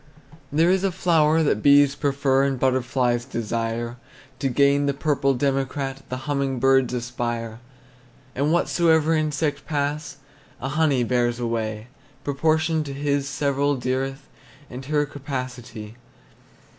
There is a flower that bees prefer, And butterflies desire; To gain the purple democrat The humming birds aspire. And whatsoever insect pass, A honey bears away Proportioned to his several dearth And her capacity.